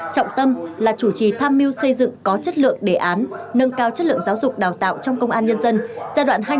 trọng tâm là chủ trì tham mưu xây dựng có chất lượng đề án nâng cao chất lượng giáo dục đào tạo trong công an nhân dân